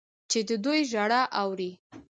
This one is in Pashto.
چې د دوی ژړا اوري.